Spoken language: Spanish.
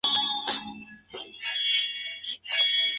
Actualmente milita en el de Australia.